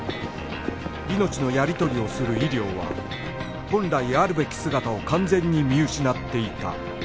命のやり取りをする医療は本来あるべき姿を完全に見失っていた